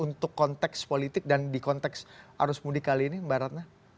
untuk konteks politik dan di konteks arus mudik kali ini mbak ratna